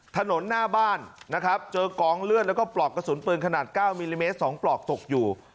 ถนนหน้าบ้านนะครับเจอกองเลือดแล้วก็ปลอกกระสุนปืนขนาด๙มิลลิเมตร๒ปลอกตกอยู่